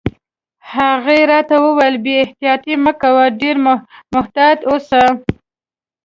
هغې راته وویل: بې احتیاطي مه کوه، ډېر محتاط اوسه.